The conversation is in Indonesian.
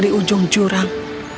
di ujung jurang